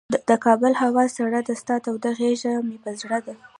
د کابل هوا سړه ده، ستا توده غیږ مه په زړه ده